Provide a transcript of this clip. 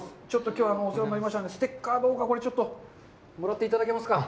きょうはお世話になりましたので、ステッカー、どうかもらっていただけますか。